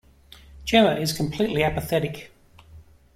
Jemma is completely apathetic.